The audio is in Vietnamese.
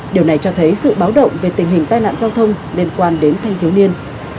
điều này cho thấy sự báo động về tình hình tai nạn giao thông liên quan đến thanh thiếu niên